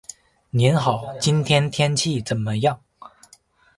The wavy line from the bottom-right to the top-left symbolizes the Rhine river.